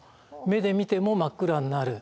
目で見ても真っ暗になる。